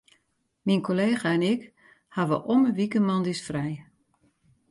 Myn kollega en ik hawwe om 'e wike moandeis frij.